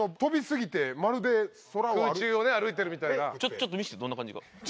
ちょっと見せてどんな感じか。